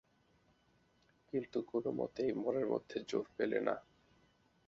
কিন্তু কোনোমতেই মনের মধ্যে জোর পেলে না।